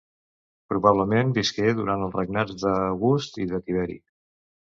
Probablement visqué durant els regnats d'August i de Tiberi.